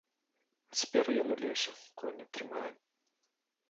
А цяпер ён у лесе, коні трымае.